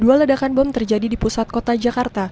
dua ledakan bom terjadi di pusat kota jakarta